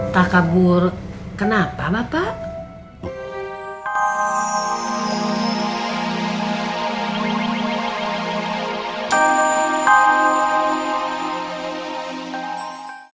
takabur kenapa bapak